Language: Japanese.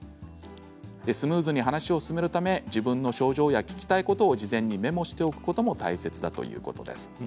スムーズに話を進めるため自分の症状や聞きたいことを事前にメモをしておくことも大切ということです。